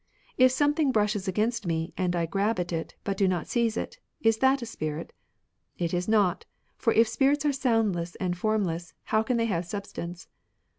If something brushes against me, and I grab at, but do not seize it, — is that a spirit ? It is not ; for if spirits are soundless and formless, how can they have substance